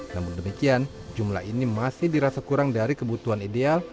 namun demikian jumlah ini masih dirasa kurang dari kebutuhan ideal